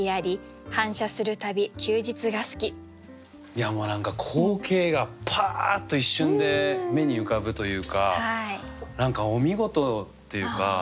いやもう何か光景がパーッと一瞬で目に浮かぶというか何かお見事というか。